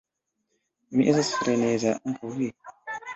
Mi estas freneza; ankaŭ vi!